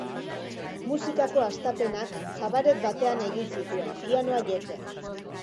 Musikako hastapenak kabaret batean egin zituen, pianoa jotzen.